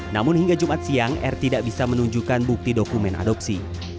namun hingga jumat siang r tidak bisa menunjukkan bukti dokumen adopsi